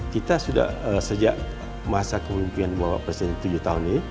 kita sudah sejak masa kemimpinan bapak presiden tujuh tahun ini